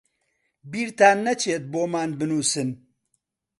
بیرتان نەچێت بۆمان بنووسن.